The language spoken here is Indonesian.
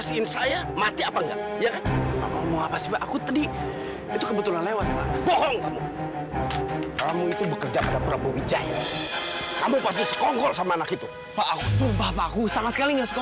sampai jumpa di video selanjutnya